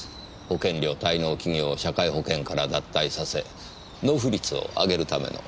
保険料滞納企業を社会保険から脱退させ納付率を上げるための。